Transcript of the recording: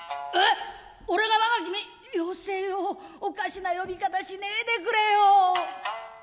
俺が我が君よせよおかしな呼び方しねえでくれよ」。